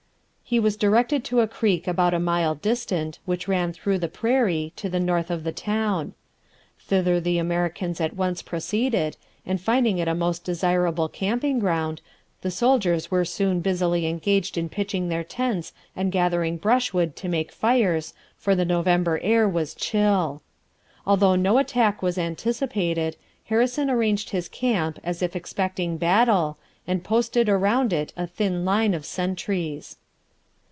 He was directed to a creek about a mile distant which ran through the prairie to the north of the town. Thither the Americans at once proceeded, and finding it a most desirable camping ground, the soldiers were soon busily engaged in pitching their tents and gathering brushwood to make fires, for the November air was chill. Although no attack was anticipated, Harrison arranged his camp as if expecting battle, and posted around it a thin line of sentries.